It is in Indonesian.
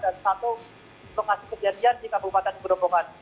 dan satu lokasi kejadian di kabupaten berobongan